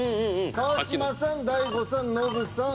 川島さん大悟さんノブさん